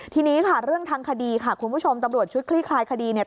ทีนี้ค่ะเรื่องทางคดีค่ะคุณผู้ชมตำรวจชุดคลี่คลายคดีเนี่ย